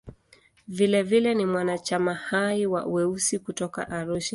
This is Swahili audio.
Vilevile ni mwanachama hai wa "Weusi" kutoka Arusha.